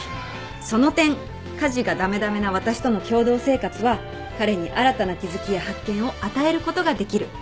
その点家事が駄目駄目な私との共同生活は彼に新たな気付きや発見を与えることができる。